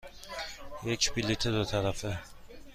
یک بلیط دو طرفه.